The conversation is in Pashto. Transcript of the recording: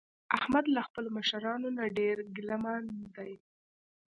احمد له خپلو مشرانو نه ډېر ګله من دی.